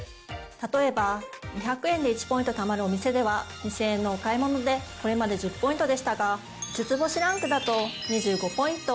例えば２００円で１ポイントたまるお店では２０００円のお買い物でこれまで１０ポイントでしたが５つ星ランクだと２５ポイント。